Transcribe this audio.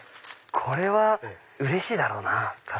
これはうれしいだろうなぁ。